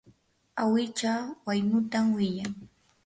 awicha waynutam wiyan.